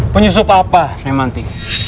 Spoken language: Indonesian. penyusup apa srimanti